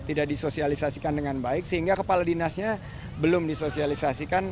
tidak disosialisasikan dengan baik sehingga kepala dinasnya belum disosialisasikan